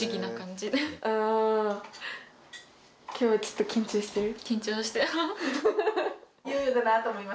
今日はちょっと緊張してる？